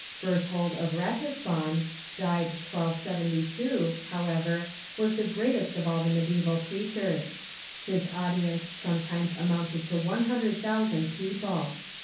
Bcrthold of Ratisbon (died 1272), however, was the greatest of all the mediteval ])reachers. His audience some times amounted to one hundred thousand people.